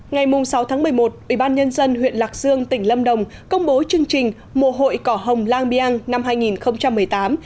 ngày sáu tháng một mươi một ubnd huyện lạc dương tỉnh lâm đồng công bố chương trình mùa hội cỏ hồng lang biang năm hai nghìn một mươi tám